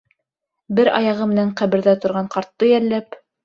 Бер аяғы менән ҡәберҙә торған ҡартты йәлләп!